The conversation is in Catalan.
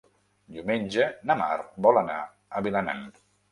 Diumenge na Mar vol anar a Vilanant.